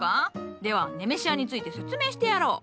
ではネメシアについて説明してやろう。